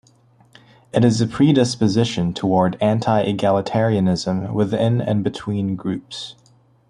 It is a predisposition toward anti-egalitarianism within and between groups.